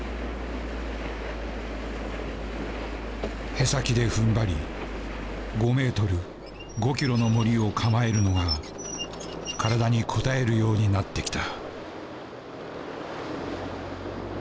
舳先でふんばり５メートル５キロのもりを構えるのが体にこたえるようになってきた。